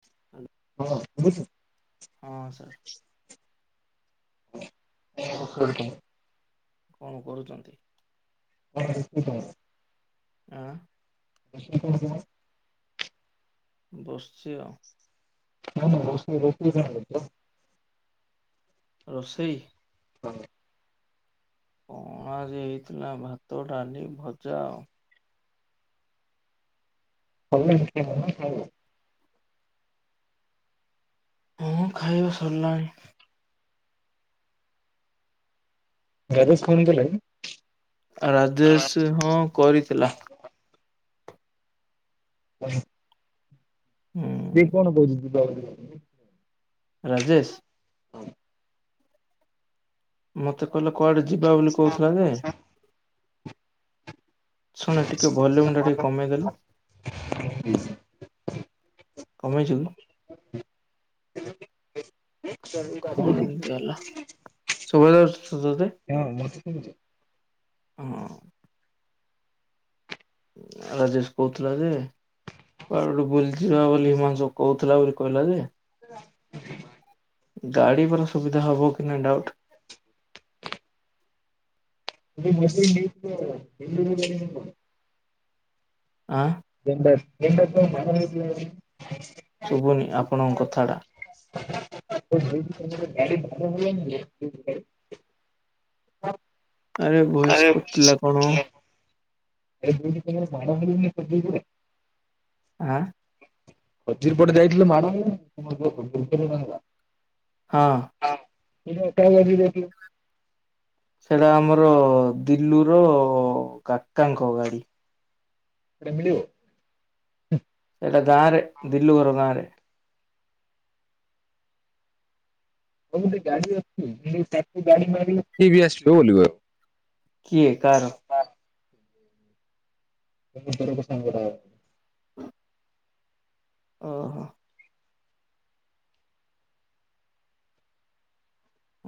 [inaudible] ହଁ ଶୁଭୁଚି। [inaudible] ହଁ ସାର୍ [unintelligible] କଣ କରୁଛନ୍ତି? [unintelligible] ଉଁ [unintelligible] ବସିଛି ଆଉ ନା ନା ରୋଷେଇ ରଷେଇ କଣ କରିଛ? ରୋଷେଇ ଅ ହଁ। କଣ ଆଜି ହେଇଥିଲା ଭାତ ଡାଲି ଭଜା ଆଉ। କଲେ ତିନି ଜଣ ଖାଇବ? ମୁଁ ଖାଇବା ସରିଲାଣି। ଗ୍ୟାରେଜ ଫୁଣି ଦେଲେ? ରାଜେଶ ହଁ କରିଥିଲା। ଉଁ ହୁଁ। ସେ ହୁଁ। କଣ କହୁଛି ଯିବ ବୋଲି ରାଜେଶ। ମୋତେ କହିଲେ କୁଆଡେ ଯିବା ବୋଲି କହୁଥିଲା ଯେ ଶୁଣ ଟିକେ ଭଲ୍ୟୁମ ଟା ଟିକେ କମେଇଦେଲୁ। [inaudible] କମେଇଚୁ କି? [inaudible] କଣ [inaudible] ଏମିତି ହେଲା ହଁ ଶୁଭାଯାଉଛି ତ ମତେ ଥ୍ୟା ୟୁ ହଁଅ। ରାଜେଶ କହୁଥିଲା ଯେ ପାଡୁ ବୁଲିଯିବା ବୋଲି ହିମାଂଶୁ କହୁଥିଲା ବୋଲି କହିଲା ଯେ [inaudible] ଗାଡ଼ିିବାର ସୁବିଧା ହବ କି ନା ଡାଉଟ୍। [unintelligible] ଆଁ? [unintelligible] ଶୁଭୁନି ଆପଣଙ୍କ କଥା ଟା? [unintelligible] ଆରେ ଭଏସ କଟିଲା କଣ? [unintelligible] ଆଁ? [unintelligible] ହଁ। [unintelligible] ସେଟା ଆମର ଦିଲୁ ର କାକାଙ୍କ ଗାଡି। କେମିତି ବେ? ସେଇଟା ଗାଁ ରେ ଦିଲୁ ଗର ଗାଁରେ। ହ ଗୋଟେ ଗାଡ଼ି ଅଛି। [unintelligible] କିଏ କାର? ବୋପା [unintelligible] ଓ ହୋ।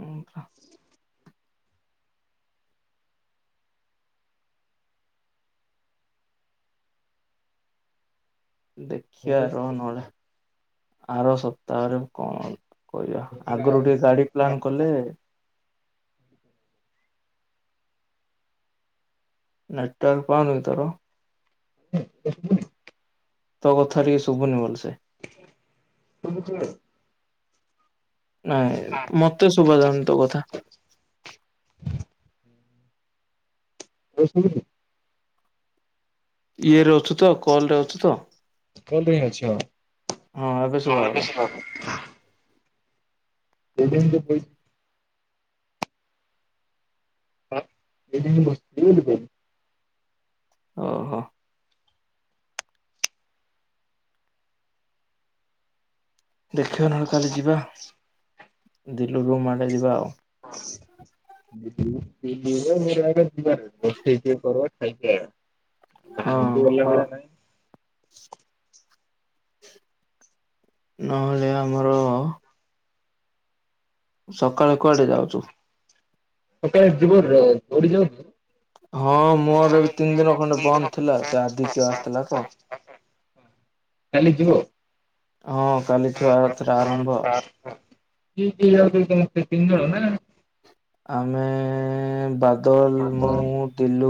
ଉଁଛ। ଦେଖିବା ର ନ ହେଲେ ଆର ସପ୍ତାହରେ କଣ କହିବା? ଆଗରୁ ଟିକେ ଗାଡ଼ି ପ୍ଲାନ କଲେ ନେଟ୍ଟୱର୍ ପାଉନି କି ତୋର? [unintelligible] ତୋ କଥା ଟିକେ ଶୁଭୁନି ଭଲସେ। ସୁଭୂଚି ବେ। ନାଇ ମୋତେ ଶୁଭା ଯାଉନି ତୋ କଥା। [unintelligible] ଇଏରେ ଅଛୁ ତ କଲ ରେ ଅଛୁ ତ। କଲ ହିଁ ଅଛି। ହଁ ଏବେ ଶୁଭାଗଲା [unintelligible] [unintelligible] [unintelligible] ଓ ହୋ। ଦେଖିବା ନହେଲେ କାଲି ଯିବା ଦିଲୁ ରୁମ୍ ଆଗେ ଯିବା ଆଉ। [unintelligible] ହଁ [unintelligible] ନହେଲେ ଆମର ସକାଳେ କୁଆଡେ ଯାଉଛୁ? [unintelligible] ହଁ ମୋର ଏବେ ତିନି ଦିନ ଖଣ୍ଡେ ବନ୍ଦ ଥିଲା ସେ ଆଦିତ୍ୟ ଆସିଥିଲା ତ। କାଲି ଯବ। ହଁ କାଲିଠୁ ଯାତ୍ରା [unintelligible] ଆରମ୍ଭ କିଏ କିଏ ଯାଉଛ କାଲି ତିନି ଜଣ ନା? ଆମେ ଏ ବାତ ବାଦଲ, ମୁ, ଦିଲୁ,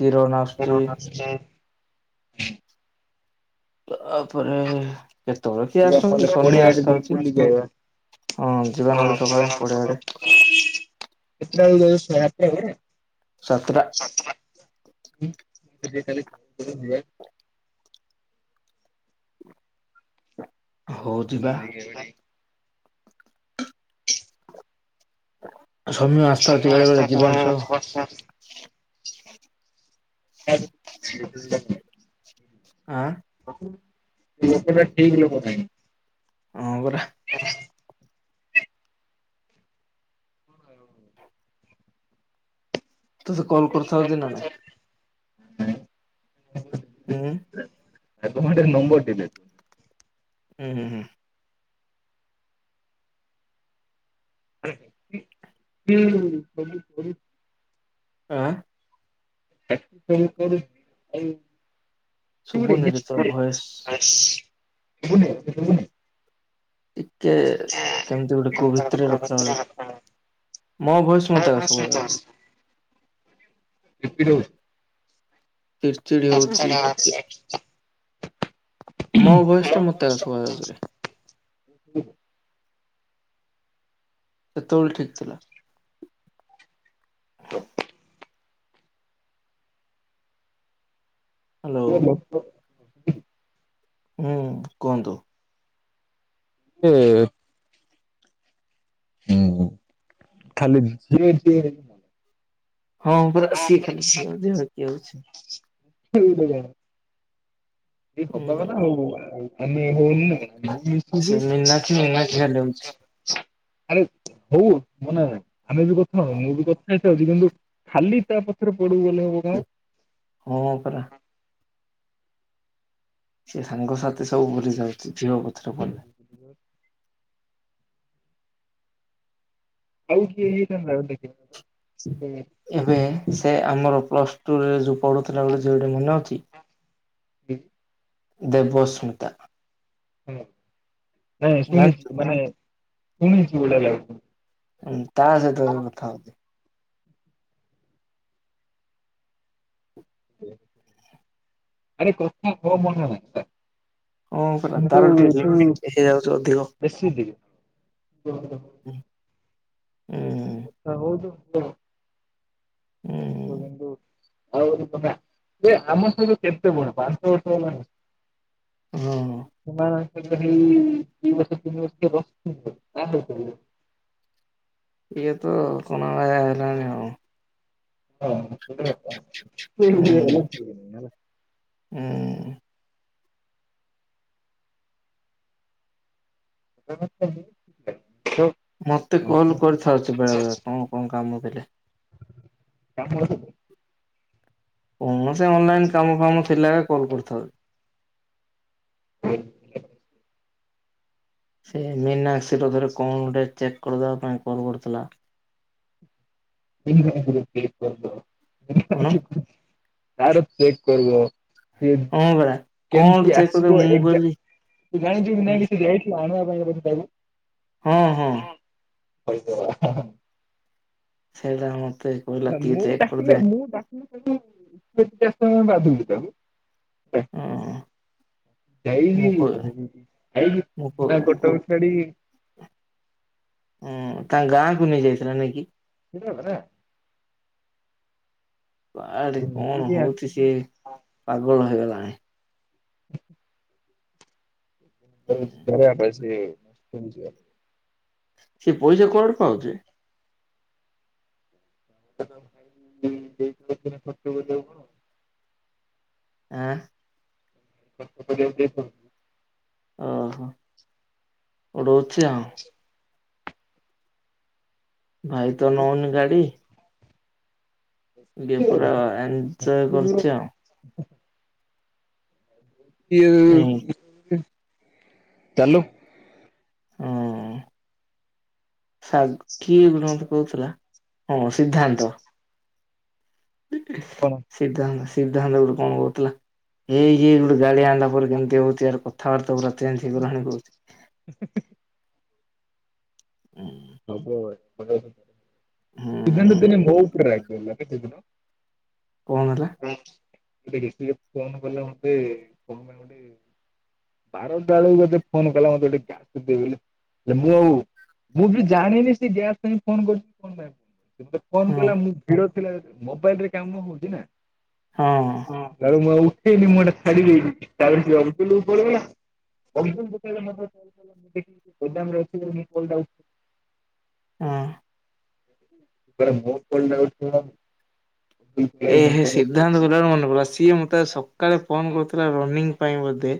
କିରନ ଆସୁଛି। [inaudible] ତାପରେ କେତେବେଳେ କିଏ ଆସୁଛନ୍ତି ଶନି ପଡିଆଆଡେ ଟିକେ ଆସିତାଛି। ବୁଲିକି ଆଇବା। ହଁ ଯିବା ନ ହେଲେ ସକାଳେ ପଡ଼ିଆ ଆଡେ। [unintelligible] ସାତ୍ଟା। ସାତଟା। [unintelligible] ହଉ ଯିବା [unintelligible] ସମୟ ଆସ୍ତା ଅଛି ବେଳେ ବେଳେ ଜୀବନ ସହ [unintelligible] ହଁ। ଲୋକ ଠିକ ଲୋକ ପାଇଁ। ହଁ ପରା। ତୋତେ କଲ କରଥା ହଉଛିିନା ନାଇଁ। [unintelligible] ହୁଁ। ଏବେ ଗୋଟେ ନମ୍ବଟେ ଦେବି। ହୁଁ ହୁଁ ହୁଁ। ହୁଁ [unintelligible] ଆଁ। ଆକ୍ଟିଙ୍ଗ କରୁଛି ଶୁଭୁନି ରେ ତୋର ଭଏସ ଆଉ। [unintelligible] ଟିକେ କେ କେମିତି ଗୋଟେ ଲ କୋଉ ଦ ଭିତରେ ଲଖ ରଖିଲା ବେଳେ [unintelligible] ଆପଣ ମୋ ଭଏସ ହ ମତେ ଏକା ହସୁଥା। ଶୁଭାଯାଉଛି। ଚିଡ଼୍ ଚିଡ଼୍ ହଉଚି ଟିକେ। ମୋ ଭଏସ ଟା ମୋତେ ଏଗା ଶୁଭଯାଉଛି ରେ। ଉଁ। ସେତେବେଳେ ଠିକ ଥିଲା। ହ ହ୍ୟାଲୋ ୟେ ବୋପା। ହୁଁ କୁହନ୍ତୁ? ହେପେ ହୁଁ ଖାଲି ଗ୍ରୀନ ପି ହଁ ପରା ଆଶି ଖାଲିଛି କିଉଛି। ଏଇ ହବା କଥା ହଉ ଆମେ ହଉନି। ସେ ମୀନାକ୍ଷୀ ମୀନାକ୍ଷୀ ଖାଲି ହଉଛି [unintelligible] ଆରେ ହଉ। ମ ନା ଆମେ ବି କଥା ନୁ ମୁଁ ବି କଥା ହେଇଥାଉଛି କିନ୍ତୁ ଖାଲି ତା ପଛରେ ପଡିବ ଗଲେ ହବ କଣ। ହଁ ପରା। ସେ ସାଙ୍ଗସାଥି ସବୁ ଭୁଲି ଯାଇଛି ଝିଅ ପଛରେ ପଡ଼ିଲେ। ଆଉ କିଏ ହେଇଥାନ୍ତା ଦେଖି। ଏବେ ସେ ଆମର ପ୍ଲସ ଟୁରେ ଯୁକ୍ତ ପଢୁଥିଲା ବେଳେ ଝିଅଟେ ମନେ ଅଛି ଦେବସ୍ମିତା। ହ ନାଇଁ ଜାଣିଛୁ ଶୁଣିଛି ମାନେ ଶୁଣିଛି ଓଡେଇଲା ବେଳେ। ଅ ତା ସହିତ ତେ କଥା ହଉଛି। ଆରେ କଥା କହ କଣ ହେଲା? ହଁ ପରା କିୁ ତାର ଟିକେ ଏ ଲିମିଟ ହେଇଯାଉଛି ଅଧିକ। ବେଶୀ ଦ [unintelligible] ହୁ। ହଉୁ ତୁ। ହୁଁ ଆଉ ଏ ଆମ ସହିତ କେତେ ବଦ ପାଞ୍ଚ ବର୍ଷ ହେଲା ହବା। ହଁ। [unintelligible] ଦିବର୍ଷ ତିନିବର୍ଷ ହବ ଆ [unintelligible] ଇଏ ତ କଣ ବା ହେଲାଣିି ଆଉ। ହଁ ହେଟା ସତ ହୁଁ କଥା [unintelligible] ଚିହ୍ନା ହୁଁ। [unintelligible] ମତେ କଲ୍ କରିଥାଉଛି ବେଳେ ବେଳେ କଣ [unintelligible] କଣ କାମ ଥିଲେ। କାମୁଡୁ ଥୁବ କୌଣସି ଅନଲାଇନ୍ କାମ ଫାମ ଥିଲା ବେଳେ କଲ୍ କରିଥାଉ। ହ ସେ ମିନାକ୍ସ୍ ବିରୁଦ୍ଧରେ କଣ ଗୋଟେ ଚେକ୍ କରିବା ପାଇଁ କଲ୍ କରୁଥିଲା। [inaudible] କଣ [unintelligible] ଚେକ୍ କରିବ। ସିଏ ହଁ ପା। କେମିତି ଆସିବ ଏକ୍ଜା, ତୁ ଜାଣିଛୁ କି ନାଇଁ କି ସେ ଯାଇଥିଲା ଆଣିବା ପାଇଁ [unintelligible] ହଁ-ହଁ। [inaudible] ସେଇଟା ମୁଁ [inaudible] ମୁଁ ଡାକିଥିଲେ ମୁଁ ଡାକିଲି ତାକୁ [inaudible] ତାକୁ [inaudible] ହଁ ମୁଁ କ ଯାଇକି, [inaudible] ଯାଇକି ମୁଁ କ [inaudible] କଟକ ଛାଡି ଉଁ-ଉଁ-ଉଁ ତାଙ୍କ ଗାଁକୁ ନେଇ ଯାଇଥିଲା ନାଇଁକି? [inaudible] କୁଆଡେ କଣ ନେଇକି ହଉଛି ସିଏ ପାଗଳ ହେଇଗଲାଣି‌। [inaudible] ଘର ଆଡ୍ରେସେ କେମିତି ଯିବା? ସେ ପଇସା କୁଆଡ଼ୁ ପାଉଚି? [inaudible] ଆଁ [inaudible] ଓହୋଃ, ଉଡ଼ଉଛି ଆଉ। ଭାଇ ତ ନଉନି ଗାଡି ଇଏ ପୁରା ଏଞୟ କରୁଛି ଆଉ। ନାଇଁ [inaudible] ଚାଲୁ। ଉଁ-ଉଁ ସାଗ୍ କିଏ କଣ ଗୋଟେ କହୁଥିଲା, ହଁ ସିଦ୍ଧାନ୍ତ। କଣ ସିଦ୍ଧାନ୍ତ। [inaudible] ସିଦ୍ଧାନ୍ତ ଗୋଟେ କଣ କହୁଥିଲା, ଇଏ ଇଏ ଗୋଟେ ଗାଡ଼ି ଆଣିଲା ପରେ କେମିତି ହେଉଛି ଆର କଥାବାର୍ତ୍ତାଗୁରା। ଚେଞ୍ଜ୍ ହେଇଗଲାଣି କହୁଛି। ହୁଁ। ହେବ [inaudible] ସିଦ୍ଧାନ୍ତ ହୁଁ ଦିନେ ମୋ ଉପରେ ରାଗିଗଲା କେତେଦିନ କଣ ହେଲା? [inaudible] ଫୋନ୍ କଲା ମତେ କଣ ପାଇଁ ଗୋଟେ ବାରଟା ବେଳକୁ ମତେ ଫୋନ୍ କଲା ମତେ [inaudible] ଯେ ମୁଁ ଆଉ ମୁଁ ବି ଜାଣିନି ସେ ଗ୍ୟାସ୍ ପାଇଁ ଫୋନ୍ କରୁଛି ଫୋନ୍ ଲାଗୁ [inaudible] ସେ ମତେ ଫୋନ୍ ହଁ କଲା ମୁଁ ଭିଡ ଥିଲା [inaudible] ମୋବାଇଲରେ କାମ ହଉଛି ନା ହଁ ହଁ [unintelligible] [unintelligible] [inaudible] ହଁ। [inaudible] ଏ କହିଲା ହେ କି ସିଦ୍ଧାନ୍ତ କଥାରୁ ମନେ ପଡ଼ିଲା ସିଏ ମୋତେ ସକାଳେ ଫୋନ ନାଇଁ କରୁଥିଲା ରନିଂ ପାଇଁ ବୋଧେ।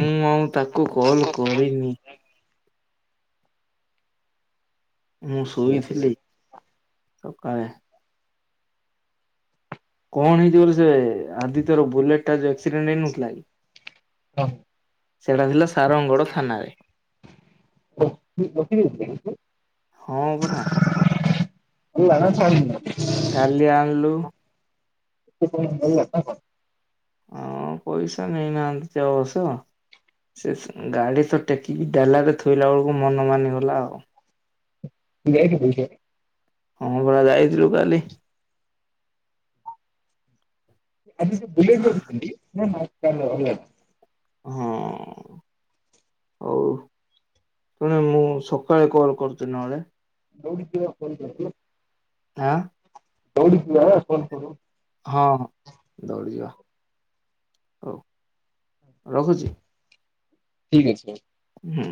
ମୁଁ ଆଉ ତାକୁ କଲ୍ କରିନି। ମୁଁ ଶୋଇଥିଲି, ଠିକ ସକାଳେ। କଣ ହେଇଥିବ ବୋଲି ସେ ଆଦିତ୍ୟର ବୁଲେଟ୍ ଟା ଯୋଉ ଆକ୍ସିଡେଣ୍ଟ୍ ହେଇନଥିଲା କି। ସେଟା ଥିଲା ସାରଙ୍ଗଗଡ ଥାନାରେ। ହଁ [inaudible] ପରା [inaudible] କାଲି ଆଣିଲୁ। [inaudible] ହଁ ପଇସା ନେଇନାହାନ୍ତି ଯେ ଅବଶ୍ଯ। ସେ ଗାଡି ତ ଟେକିକି ଡାଲା ରେ ଥୋଇଲା ବେଳକୁ ମନ ମାନିଗଲା ଆଉ। ଯାଇଛି। ହଁ ପରା ଯାଇଥିଲୁ କାଲି। [unintelligible] ହଁ ଆଉ ଶୁଣେ ମୁଁ ସକାଳେ କଲ କରୁଥିଲି ନହେଲେ। [unintelligible] ଆଁ ଦୌଡ଼ି ଜିବା ନା ସୋନପୁରୁ ହଁ ଦୌଡ଼ିଯିବା। ହଉ ରଖୁଛି। ଠିକ୍ ଅଛି। ହୁଁ।